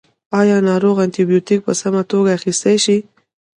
ایا ناروغ انټي بیوټیک په سمه توګه اخیستی دی.